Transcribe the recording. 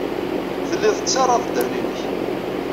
Tellid tettarrad ddehn-nnek.